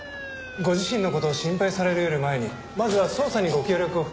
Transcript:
ご自身の事を心配されるより前にまずは捜査にご協力を。